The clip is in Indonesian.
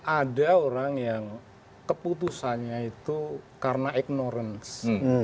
ada orang yang keputusannya itu karena ignorance